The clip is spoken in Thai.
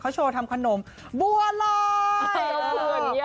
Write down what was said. เขาโชว์ทำขนมบัวลอย